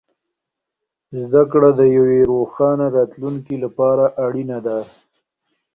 زده کړه د یوې روښانه راتلونکې لپاره اړینه ده.